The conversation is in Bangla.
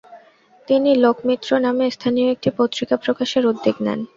তিনি "লোকমিত্র" নামে স্থানীয় একটি পত্রিকা প্রকাশের উদ্যোগ নেন।